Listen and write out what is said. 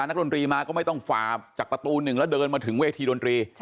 นักดนตรีมาก็ไม่ต้องฝ่าจากประตูหนึ่งแล้วเดินมาถึงเวทีดนตรี